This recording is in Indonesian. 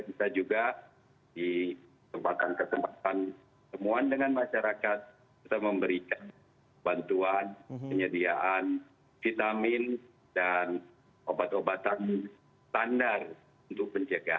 kita juga di tempatan tempatan temuan dengan masyarakat kita memberikan bantuan penyediaan vitamin dan obat obatan standar untuk penjagaan